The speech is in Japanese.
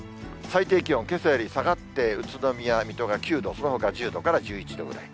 最低気温、けさより下がって、宇都宮、水戸が９度、そのほか１０度から１１度ぐらい。